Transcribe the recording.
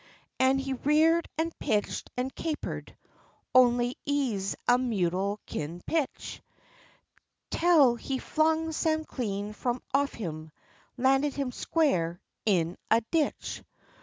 An' he reared an' pitched an' caper'd, only ez a mule kin pitch, Tel he flung Sam clean f'om off him, landed him squar' in a ditch.